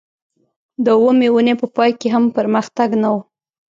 د اوومې اونۍ په پای کې هم پرمختګ نه و